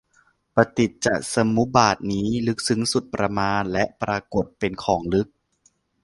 ปฏิจจสมุบาทนี้ ลึกซึ้งสุดประมาณและปรากฏเป็นของลึก